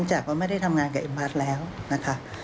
จากว่าไม่ได้ทำงานกับเอ็มพัฒน์แล้วนะคะ